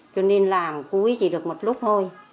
cho nên làm cuối chỉ được một lúc thôi